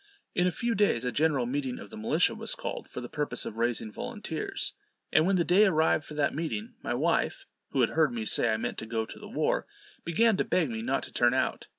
In a few days a general meeting of the militia was called for the purpose of raising volunteers; and when the day arrived for that meeting, my wife, who had heard me say I meant to go to the war, began to beg me not to turn out.